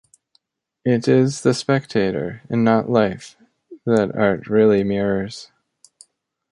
It is the spectator, and not life, that art really mirrors.